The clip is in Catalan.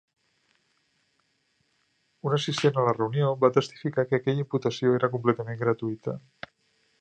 Un assistent a la reunió va testificar que aquella imputació era completament gratuïta.